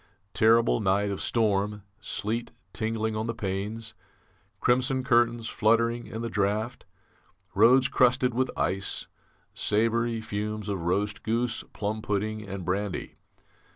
Terrible night of storm sleet tingling on the panes; crimson curtains fluttering in the draught; roads crusted with ice; savoury fumes of roast goose, plum pudding, and brandy.